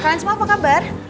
kalian semua apa kabar